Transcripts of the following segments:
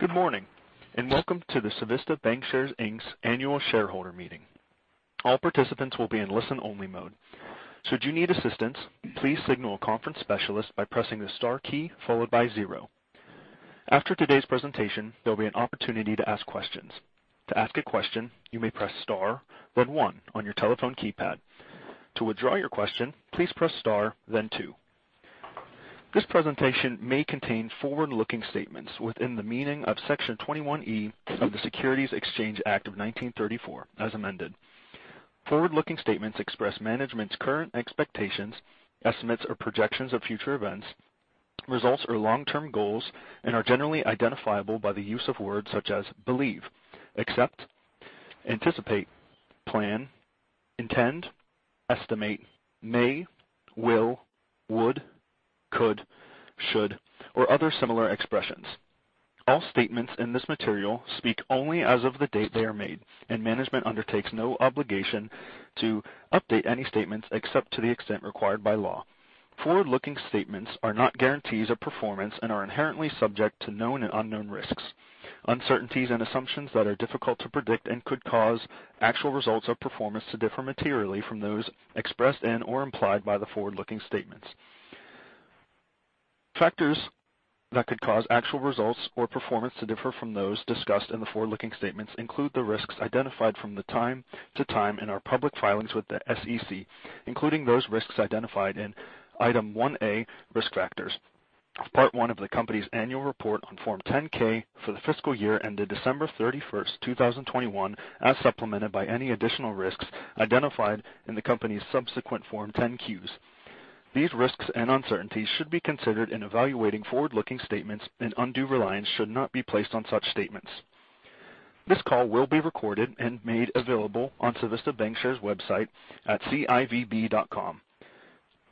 Good morning, and welcome to the Civista Bancshares, Inc.'s annual shareholder meeting. All participants will be in listen-only mode. Should you need assistance, please signal a conference specialist by pressing the star key followed by zero. After today's presentation, there'll be an opportunity to ask questions. To ask a question, you may press star, then one on your telephone keypad. To withdraw your question, please press star, then two. This presentation may contain forward-looking statements within the meaning of Section 21E of the Securities Exchange Act of 1934 as amended. Forward-looking statements express management's current expectations, estimates, or projections of future events, results, or long-term goals and are generally identifiable by the use of words such as believe, accept, anticipate, plan, intend, estimate, may, will, would, could, should, or other similar expressions. All statements in this material speak only as of the date they are made, and management undertakes no obligation to update any statements except to the extent required by law. Forward-looking statements are not guarantees of performance and are inherently subject to known and unknown risks, uncertainties, and assumptions that are difficult to predict and could cause actual results or performance to differ materially from those expressed and/or implied by the forward-looking statements. Factors that could cause actual results or performance to differ from those discussed in the forward-looking statements include the risks identified from time to time in our public filings with the SEC, including those risks identified in Item 1A, Risk Factors, of Part I of the company's annual report on Form 10-K for the fiscal year ended December 31, 2021, as supplemented by any additional risks identified in the company's subsequent Form 10-Qs. These risks and uncertainties should be considered in evaluating forward-looking statements, and undue reliance should not be placed on such statements. This call will be recorded and made available on Civista Bancshares' website at civb.com.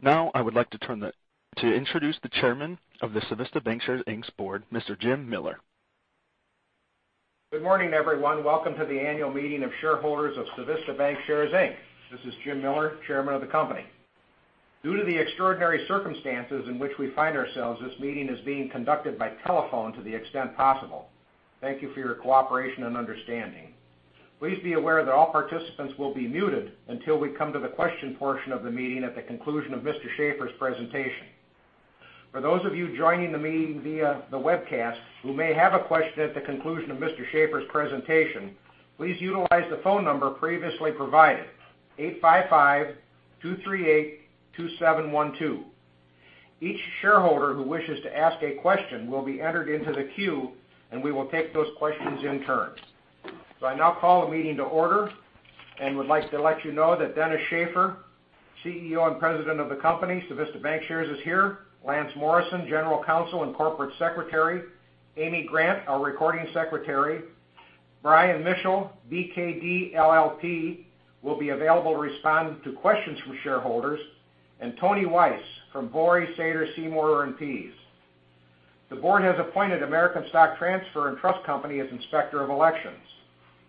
Now I would like to turn to introduce the Chairman of the Civista Bancshares, Inc.'s Board, Mr. Jim Miller. Good morning, everyone. Welcome to the annual meeting of shareholders of Civista Bancshares, Inc. This is Jim Miller, Chairman of the Company. Due to the extraordinary circumstances in which we find ourselves, this meeting is being conducted by telephone to the extent possible. Thank you for your cooperation and understanding. Please be aware that all participants will be muted until we come to the question portion of the meeting at the conclusion of Mr. Shaffer's presentation. For those of you joining the meeting via the webcast who may have a question at the conclusion of Mr. Shaffer's presentation, please utilize the phone number previously provided, 855-238-2712. Each shareholder who wishes to ask a question will be entered into the queue, and we will take those questions in turn. I now call the meeting to order and would like to let you know that Dennis Shaffer, CEO and President of the company, Civista Bancshares, is here. Lance Morrison, General Counsel and Corporate Secretary. Amy Grant, our recording secretary. Brian Mitchell, BKD LLP, will be available to respond to questions from shareholders, and Tony Weis from Vorys, Sater, Seymour and Pease. The board has appointed American Stock Transfer & Trust Company as inspector of elections.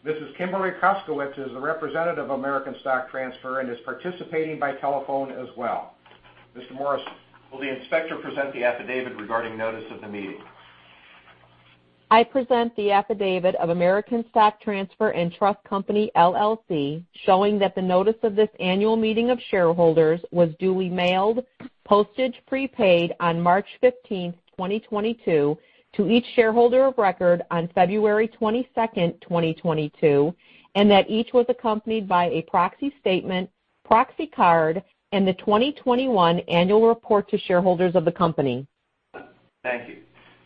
Mrs. Kimberly Koskowitz is the representative of American Stock Transfer and is participating by telephone as well. Mr. Morrison, will the inspector present the affidavit regarding notice of the meeting? I present the affidavit of American Stock Transfer & Trust Company, LLC, showing that the notice of this annual meeting of shareholders was duly mailed, postage prepaid on March 15th, 2022 to each shareholder of record on February 22nd, 2022, and that each was accompanied by a proxy statement, proxy card, and the 2021 annual report to shareholders of the company. Thank you.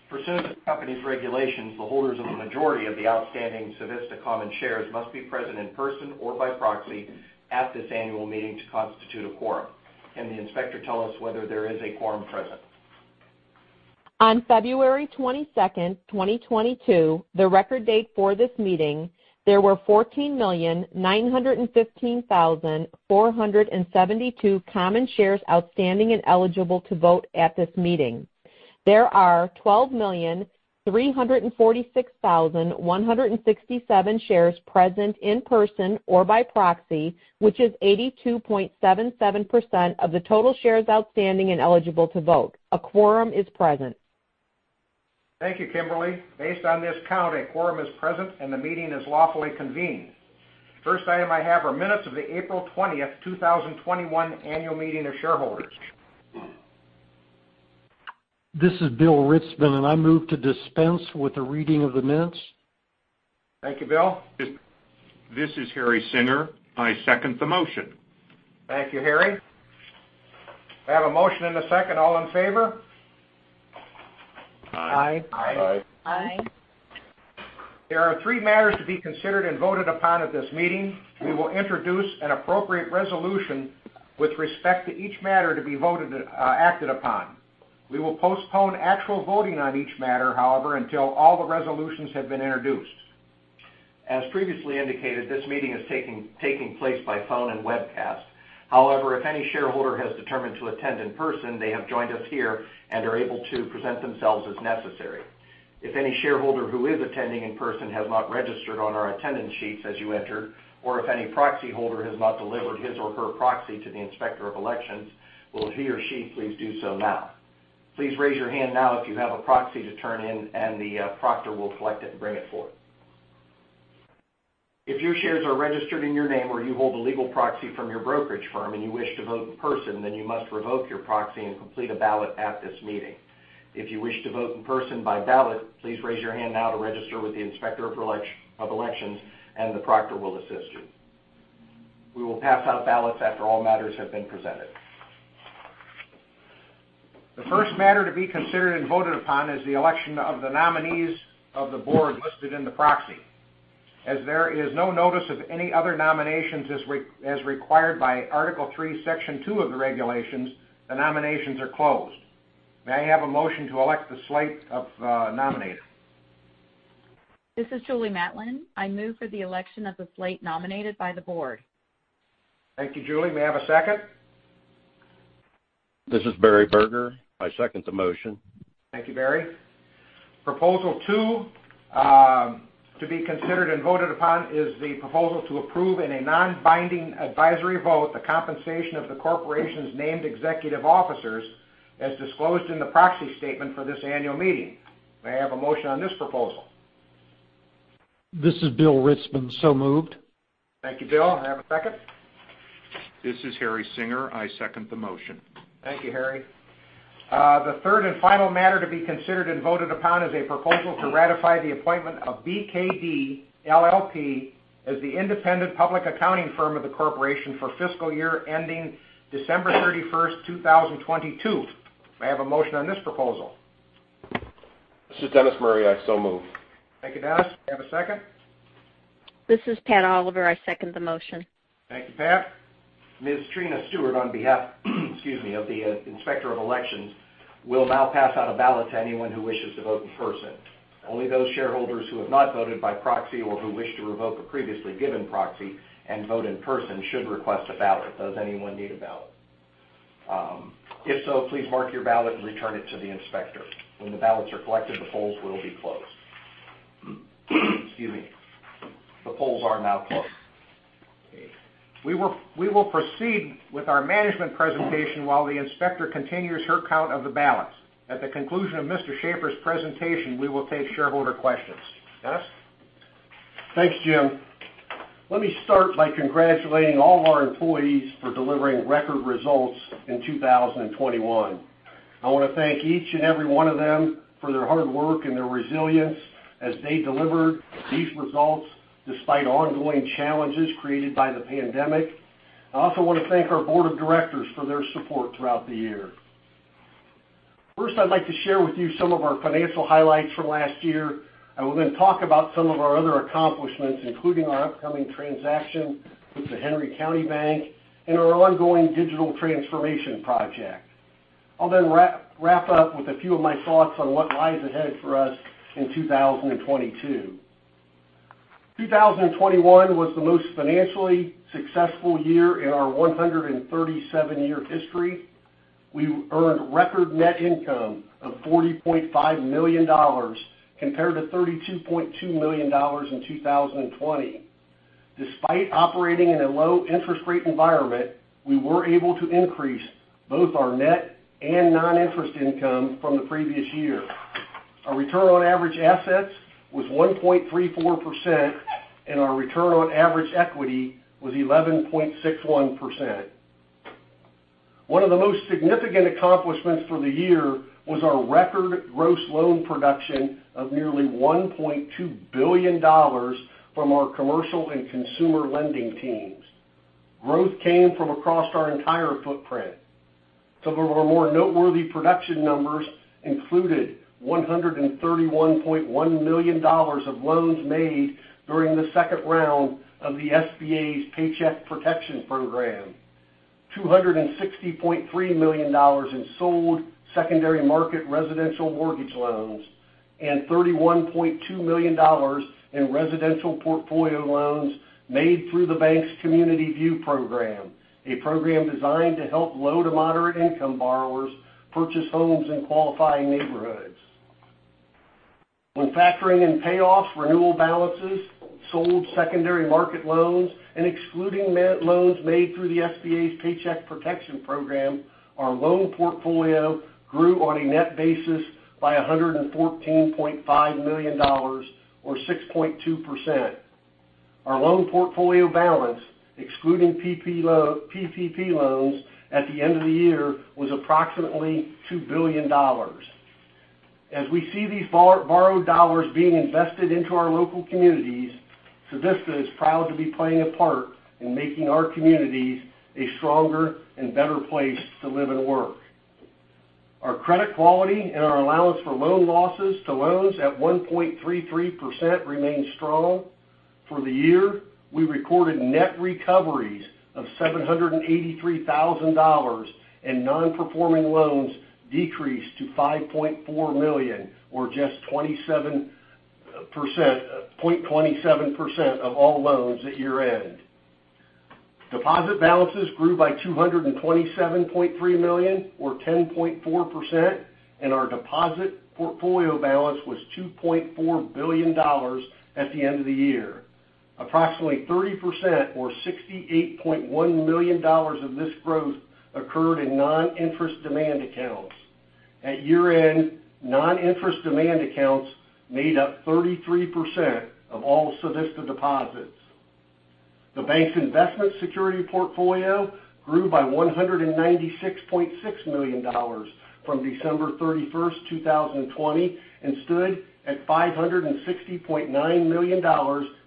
Pursuant to the company's regulations, the holders of the majority of the outstanding Civista common shares must be present in person or by proxy at this annual meeting to constitute a quorum. Can the inspector tell us whether there is a quorum present? On February 22nd, 2022, the record date for this meeting, there were 14,915,472 common shares outstanding and eligible to vote at this meeting. There are 12,346,167 shares present in person or by proxy, which is 82.77% of the total shares outstanding and eligible to vote. A quorum is present. Thank you, Kimberly. Based on this count, a quorum is present, and the meeting is lawfully convened. First item I have are minutes of the April 20, 2021 annual meeting of shareholders. This is Bill Ritzmann, and I move to dispense with the reading of the minutes. Thank you, Bill. This is Harry Singer. I second the motion. Thank you, Harry. I have a motion and a second. All in favor? Aye. Aye. There are three matters to be considered and voted upon at this meeting. We will introduce an appropriate resolution with respect to each matter to be voted, acted upon. We will postpone actual voting on each matter, however, until all the resolutions have been introduced. As previously indicated, this meeting is taking place by phone and webcast. However, if any shareholder has determined to attend in person, they have joined us here and are able to present themselves as necessary. If any shareholder who is attending in person has not registered on our attendance sheets as you entered, or if any proxy holder has not delivered his or her proxy to the inspector of elections, will he or she please do so now. Please raise your hand now if you have a proxy to turn in, and the proctor will collect it and bring it forward. If your shares are registered in your name or you hold a legal proxy from your brokerage firm and you wish to vote in person, then you must revoke your proxy and complete a ballot at this meeting. If you wish to vote in person by ballot, please raise your hand now to register with the Inspector of Elections, and the proctor will assist you. We will pass out ballots after all matters have been presented. The first matter to be considered and voted upon is the election of the nominees of the board listed in the proxy. As there is no notice of any other nominations as required by Article Three, Section Two of the regulations, the nominations are closed. May I have a motion to elect the slate of nominee? This is Julie Mattlin. I move for the election of the slate nominated by the board. Thank you, Julie. May I have a second? This is Barry Boerger. I second the motion. Thank you, Barry. Proposal two, to be considered and voted upon is the proposal to approve in a non-binding advisory vote the compensation of the corporation's named executive officers as disclosed in the proxy statement for this annual meeting. May I have a motion on this proposal? This is Bill Ritzmann. Moved. Thank you, Bill. May I have a second? This is Harry Singer. I second the motion. Thank you, Harry. The third and final matter to be considered and voted upon is a proposal to ratify the appointment of BKD LLP as the independent public accounting firm of the corporation for fiscal year ending December 31, 2022. May I have a motion on this proposal? This is Dennis Murray. I so move. Thank you, Dennis. May I have a second? This is Pat Oliver. I second the motion. Thank you, Pat. Ms. Trina Stewart, on behalf of the Inspector of Elections, will now pass out a ballot to anyone who wishes to vote in person. Only those shareholders who have not voted by proxy or who wish to revoke a previously given proxy and vote in person should request a ballot. Does anyone need a ballot? If so, please mark your ballot and return it to the inspector. When the ballots are collected, the polls will be closed. The polls are now closed. We will proceed with our management presentation while the inspector continues her count of the ballots. At the conclusion of Mr. Shaffer's presentation, we will take shareholder questions. Dennis? Thanks, Jim. Let me start by congratulating all of our employees for delivering record results in 2021. I want to thank each and every one of them for their hard work and their resilience as they delivered these results despite ongoing challenges created by the pandemic. I also want to thank our board of directors for their support throughout the year. First, I'd like to share with you some of our financial highlights from last year. I will then talk about some of our other accomplishments, including our upcoming transaction with The Henry County Bank and our ongoing digital transformation project. I'll then wrap up with a few of my thoughts on what lies ahead for us in 2022. 2021 was the most financially successful year in our 137-year history. We earned record net income of $40.5 million compared to $32.2 million in 2020. Despite operating in a low interest rate environment, we were able to increase both our net and non-interest income from the previous year. Our return on average assets was 1.34%, and our return on average equity was 11.61%. One of the most significant accomplishments for the year was our record gross loan production of nearly $1.2 billion from our commercial and consumer lending teams. Growth came from across our entire footprint. Some of our more noteworthy production numbers included $131.1 million of loans made during the second round of the SBA's Paycheck Protection Program, $260.3 million in sold secondary market residential mortgage loans, and $31.2 million in residential portfolio loans made through the bank's Community View Program, a program designed to help low- to moderate-income borrowers purchase homes in qualifying neighborhoods. When factoring in payoffs, renewal balances, sold secondary market loans, and excluding loans made through the SBA's Paycheck Protection Program, our loan portfolio grew on a net basis by $114.5 million or 6.2%. Our loan portfolio balance, excluding PPP loans at the end of the year was approximately $2 billion. As we see these borrowed dollars being invested into our local communities, Civista is proud to be playing a part in making our communities a stronger and better place to live and work. Our credit quality and our allowance for loan losses to loans at 1.33% remains strong. For the year, we recorded net recoveries of $783,000 and non-performing loans decreased to $5.4 million, or just 0.27% of all loans at year-end. Deposit balances grew by $227.3 million or 10.4%, and our deposit portfolio balance was $2.4 billion at the end of the year. Approximately 30% or $68.1 million of this growth occurred in non-interest demand accounts. At year-end, non-interest demand accounts made up 33% of all Civista deposits. The bank's investment security portfolio grew by $196.6 million from December 31, 2020, and stood at $560.9 million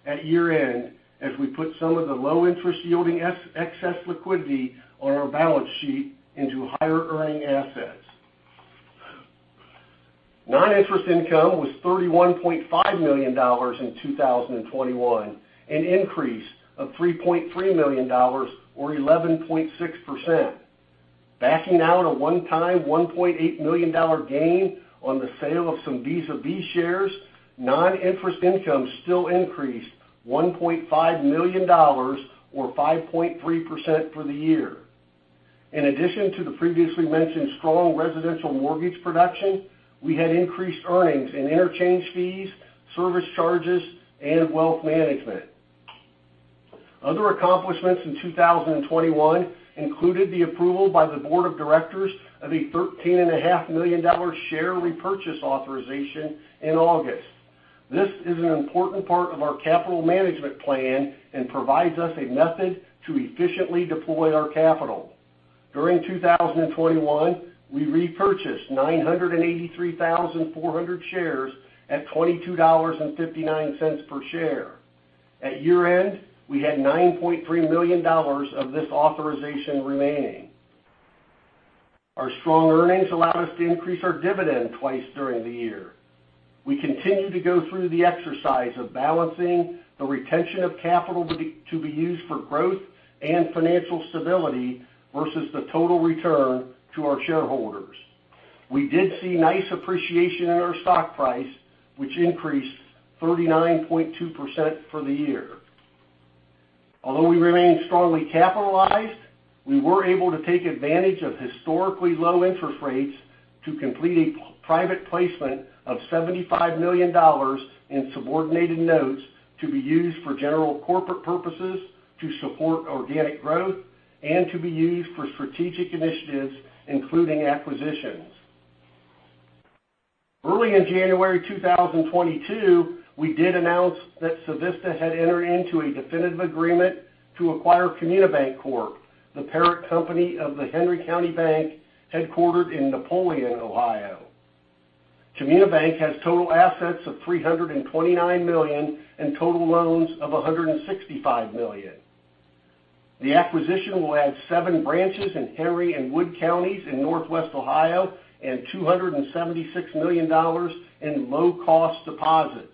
at year-end as we put some of the low-interest yielding excess liquidity on our balance sheet into higher-earning assets. Non-interest income was $31.5 million in 2021, an increase of $3.3 million or 11.6%. Backing out a one-time $1.8 million dollar gain on the sale of some Visa B shares, non-interest income still increased $1.5 million or 5.3% for the year. In addition to the previously mentioned strong residential mortgage production, we had increased earnings in interchange fees, service charges, and wealth management. Other accomplishments in 2021 included the approval by the board of directors of a $13.5 million share repurchase authorization in August. This is an important part of our capital management plan and provides us a method to efficiently deploy our capital. During 2021, we repurchased 983,400 shares at $22.59 per share. At year-end, we had $9.3 million of this authorization remaining. Our strong earnings allowed us to increase our dividend twice during the year. We continue to go through the exercise of balancing the retention of capital to be used for growth and financial stability versus the total return to our shareholders. We did see nice appreciation in our stock price, which increased 39.2% for the year. Although we remain strongly capitalized, we were able to take advantage of historically low interest rates to complete a private placement of $75 million in subordinated notes to be used for general corporate purposes to support organic growth and to be used for strategic initiatives, including acquisitions. Early in January 2022, we did announce that Civista had entered into a definitive agreement to acquire Comunibanc Corp., the parent company of The Henry County Bank, headquartered in Napoleon, Ohio. Comunibanc has total assets of $329 million and total loans of $165 million. The acquisition will add seven branches in Henry and Wood counties in Northwest Ohio and $276 million in low-cost deposits.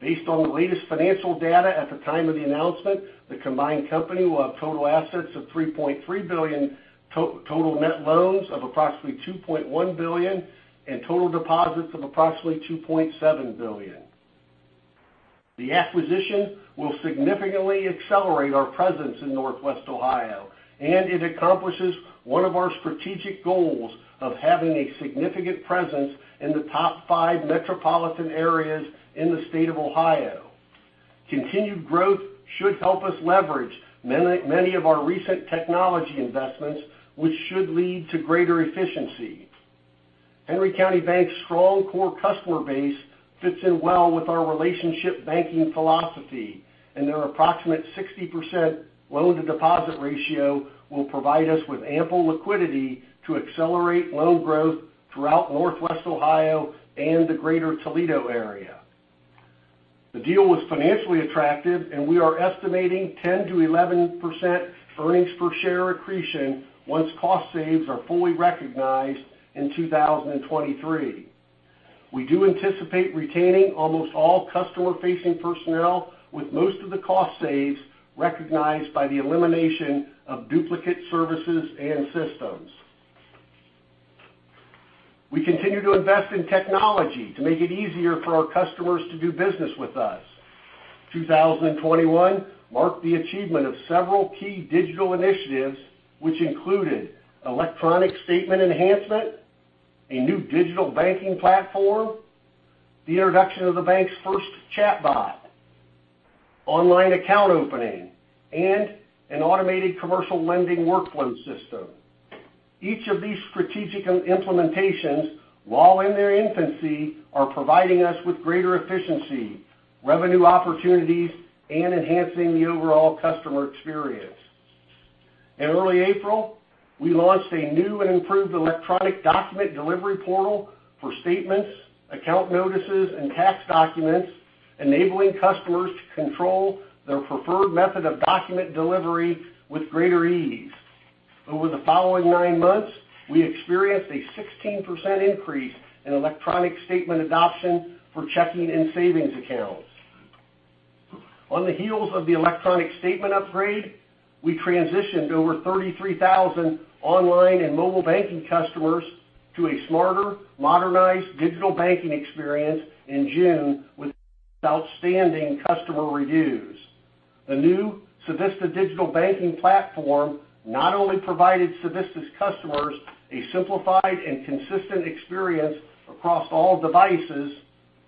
Based on the latest financial data at the time of the announcement, the combined company will have total assets of $3.3 billion, total net loans of approximately $2.1 billion, and total deposits of approximately $2.7 billion. The acquisition will significantly accelerate our presence in Northwest Ohio, and it accomplishes one of our strategic goals of having a significant presence in the top five metropolitan areas in the state of Ohio. Continued growth should help us leverage many of our recent technology investments, which should lead to greater efficiency. Henry County Bank's strong core customer base fits in well with our relationship banking philosophy, and their approximate 60% loan-to-deposit ratio will provide us with ample liquidity to accelerate loan growth throughout Northwest Ohio and the Greater Toledo area. The deal was financially attractive, and we are estimating 10%-11% earnings per share accretion once cost savings are fully recognized in 2023. We do anticipate retaining almost all customer-facing personnel with most of the cost savings recognized by the elimination of duplicate services and systems. We continue to invest in technology to make it easier for our customers to do business with us. 2021 marked the achievement of several key digital initiatives, which included electronic statement enhancement, a new digital banking platform, the introduction of the bank's first chatbot, online account opening, and an automated commercial lending workflow system. Each of these strategic implementations, while in their infancy, are providing us with greater efficiency, revenue opportunities, and enhancing the overall customer experience. In early April, we launched a new and improved electronic document delivery portal for statements, account notices, and tax documents, enabling customers to control their preferred method of document delivery with greater ease. Over the following nine months, we experienced a 16% increase in electronic statement adoption for checking and savings accounts. On the heels of the electronic statement upgrade, we transitioned over 33,000 online and mobile banking customers to a smarter, modernized digital banking experience in June with outstanding customer reviews. The new Civista digital banking platform not only provided Civista's customers a simplified and consistent experience across all devices,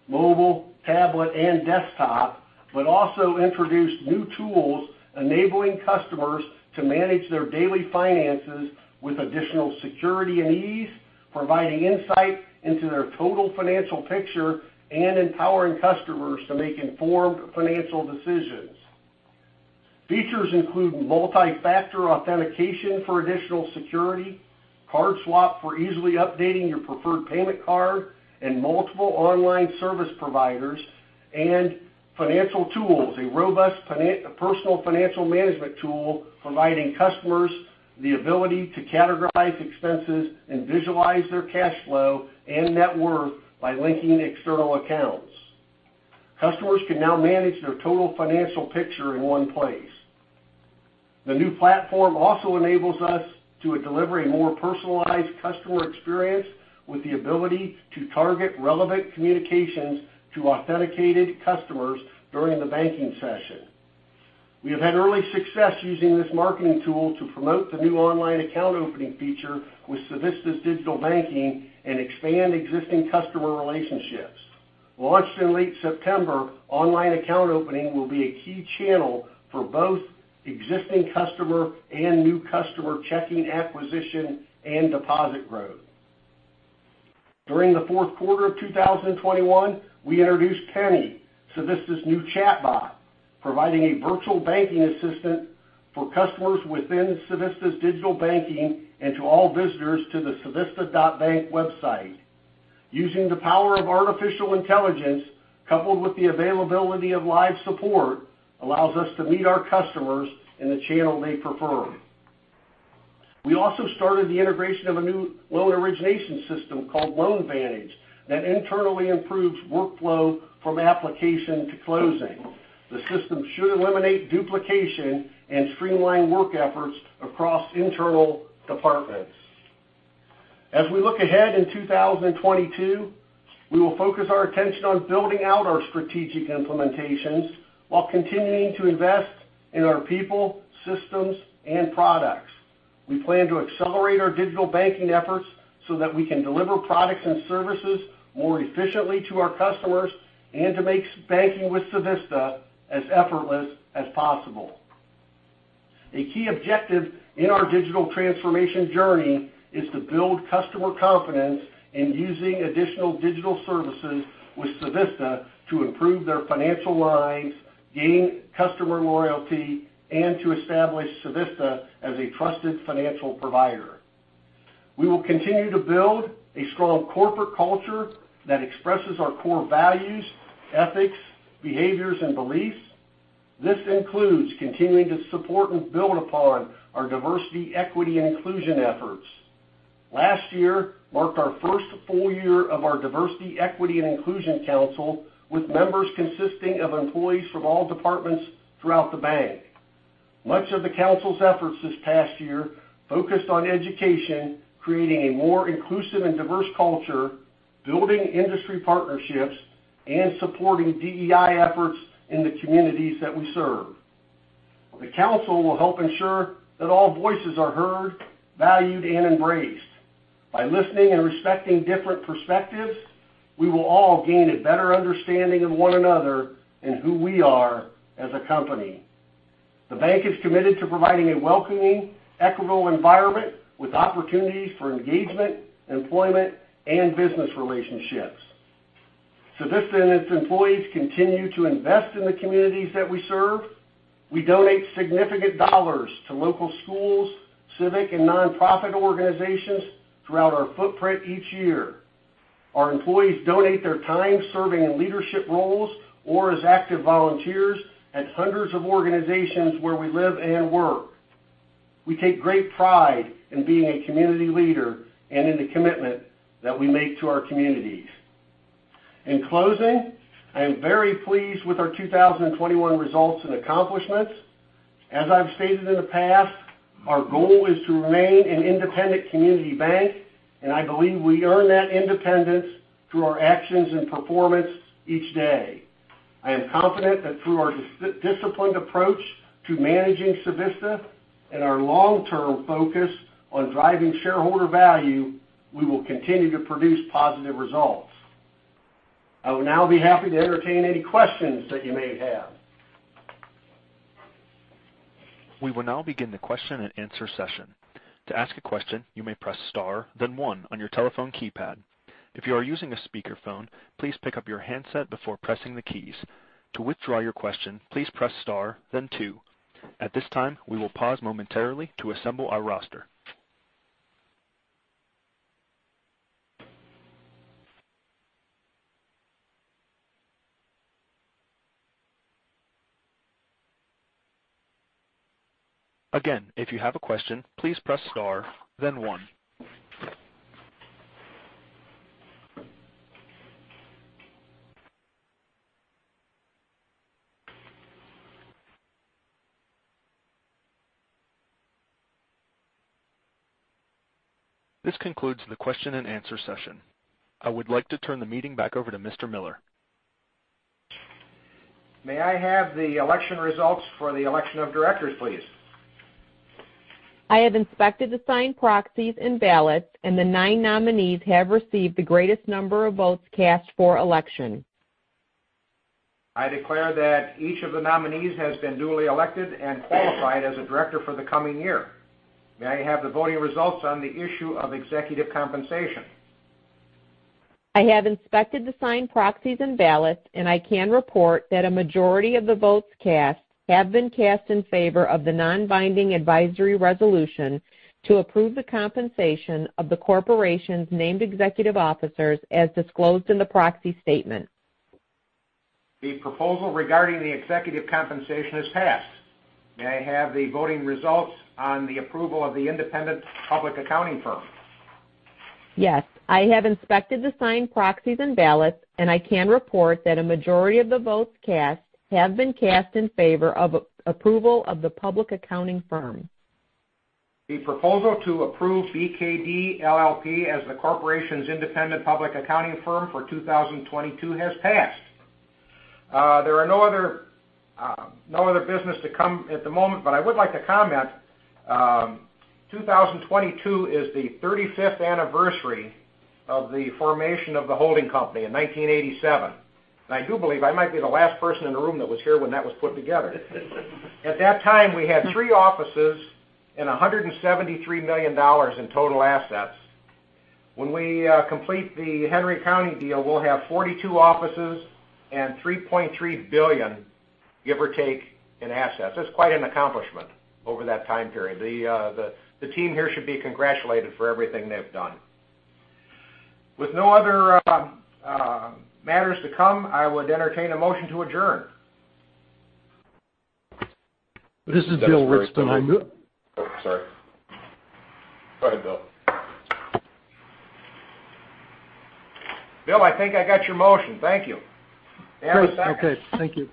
mobile, tablet, and desktop, but also introduced new tools enabling customers to manage their daily finances with additional security and ease, providing insight into their total financial picture and empowering customers to make informed financial decisions. Features include multi-factor authentication for additional security, card swap for easily updating your preferred payment card, and multiple online service providers and financial tools, a robust personal financial management tool providing customers the ability to categorize expenses and visualize their cash flow and net worth by linking external accounts. Customers can now manage their total financial picture in one place. The new platform also enables us to deliver a more personalized customer experience with the ability to target relevant communications to authenticated customers during the banking session. We have had early success using this marketing tool to promote the new online account opening feature with Civista's digital banking and expand existing customer relationships. Launched in late September, online account opening will be a key channel for both existing customer and new customer checking acquisition and deposit growth. During the fourth quarter of 2021, we introduced Penny, Civista's new chatbot, providing a virtual banking assistant for customers within Civista's digital banking and to all visitors to the civista.bank website. Using the power of artificial intelligence, coupled with the availability of live support, allows us to meet our customers in the channel they prefer. We also started the integration of a new loan origination system called LoanVantage that internally improves workflow from application to closing. The system should eliminate duplication and streamline work efforts across internal departments. As we look ahead in 2022, we will focus our attention on building out our strategic implementations while continuing to invest in our people, systems, and products. We plan to accelerate our digital banking efforts so that we can deliver products and services more efficiently to our customers and to make banking with Civista as effortless as possible. A key objective in our digital transformation journey is to build customer confidence in using additional digital services with Civista to improve their financial lives, gain customer loyalty, and to establish Civista as a trusted financial provider. We will continue to build a strong corporate culture that expresses our core values, ethics, behaviors, and beliefs. This includes continuing to support and build upon our diversity, equity, and inclusion efforts. Last year marked our first full year of our Diversity, Equity, and Inclusion Council, with members consisting of employees from all departments throughout the bank. Much of the council's efforts this past year focused on education, creating a more inclusive and diverse culture, building industry partnerships, and supporting DEI efforts in the communities that we serve. The council will help ensure that all voices are heard, valued, and embraced. By listening and respecting different perspectives, we will all gain a better understanding of one another and who we are as a company. The bank is committed to providing a welcoming, equitable environment with opportunities for engagement, employment, and business relationships. Civista and its employees continue to invest in the communities that we serve. We donate significant dollars to local schools, civic, and nonprofit organizations throughout our footprint each year. Our employees donate their time serving in leadership roles or as active volunteers at hundreds of organizations where we live and work. We take great pride in being a community leader and in the commitment that we make to our communities. In closing, I am very pleased with our 2021 results and accomplishments. As I've stated in the past, our goal is to remain an independent community bank, and I believe we earn that independence through our actions and performance each day. I am confident that through our disciplined approach to managing Civista and our long-term focus on driving shareholder value, we will continue to produce positive results. I would now be happy to entertain any questions that you may have. We will now begin the question-and-answer session. To ask a question, you may press star, then one on your telephone keypad. If you are using a speakerphone, please pick up your handset before pressing the keys. To withdraw your question, please press star, then two. At this time, we will pause momentarily to assemble our roster. Again, if you have a question, please press star, then one. This concludes the question-and-answer session. I would like to turn the meeting back over to Mr. Miller. May I have the election results for the election of directors, please? I have inspected the signed proxies and ballots, and the nine nominees have received the greatest number of votes cast for election. I declare that each of the nominees has been duly elected and qualified as a director for the coming year. May I have the voting results on the issue of executive compensation? I have inspected the signed proxies and ballots, and I can report that a majority of the votes cast have been cast in favor of the non-binding advisory resolution to approve the compensation of the corporation's named executive officers as disclosed in the proxy statement. The proposal regarding the executive compensation has passed. May I have the voting results on the approval of the independent public accounting firm? Yes, I have inspected the signed proxies and ballots, and I can report that a majority of the votes cast have been cast in favor of approval of the public accounting firm. The proposal to approve BKD LLP as the corporation's independent public accounting firm for 2022 has passed. There are no other business to come at the moment, but I would like to comment. 2022 is the 35th anniversary of the formation of the holding company in 1987. I do believe I might be the last person in the room that was here when that was put together. At that time, we had three offices and $173 million in total assets. When we complete the Henry County deal, we'll have 42 offices and $3.3 billion, give or take, in assets. That's quite an accomplishment over that time period. The team here should be congratulated for everything they've done. With no other matters to come, I would entertain a motion to adjourn. This is Bill Ritzmann. Oh, sorry. Go ahead, Bill. Bill, I think I got your motion. Thank you. Okay. Thank you.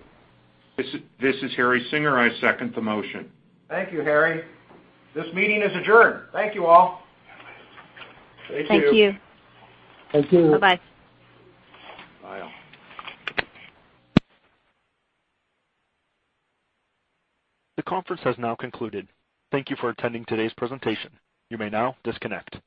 This is Harry Singer. I second the motion. Thank you, Harry. This meeting is adjourned. Thank you all. Thank you. Thank you. Thank you. Bye-bye. Bye. The conference has now concluded. Thank you for attending today's presentation. You may now disconnect.